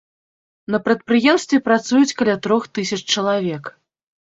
На прадпрыемстве працуюць каля трох тысяч чалавек.